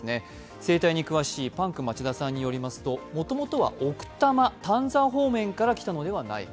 生態に詳しいパンク町田さんによりますともともとは奥多摩、丹沢方面から来たのではないか。